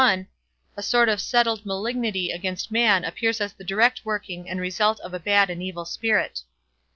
xli, a sort of settled malignity against man appears as the direct working and result of a bad and evil spirit.